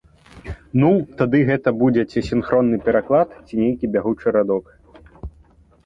Ну тады гэта будзе ці сінхронны пераклад, ці нейкі бягучы радок.